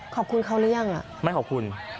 ขอบคุณเขาหรือยังไม่ขอบคุณ